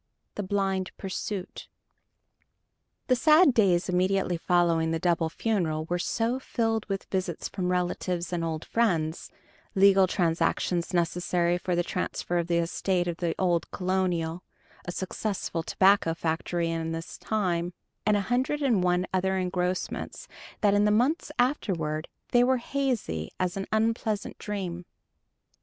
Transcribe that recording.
II THE BLIND PURSUIT The sad days immediately following the double funeral were so filled with visits from relatives and old friends, legal transactions necessary for the transfer of the estate of the old colonel, a successful tobacco factor in his time, and a hundred and one other engrossments, that in the months afterward they were hazy as an unpleasant dream.